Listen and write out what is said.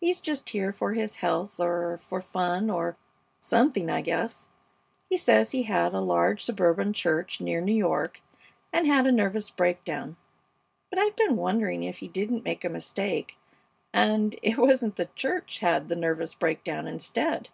He's just here for his health or for fun or something, I guess. He says he had a large suburban church near New York, and had a nervous breakdown; but I've been wondering if he didn't make a mistake, and it wasn't the church had the nervous breakdown instead.